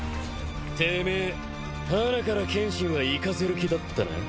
てめえはなから剣心は行かせる気だったな。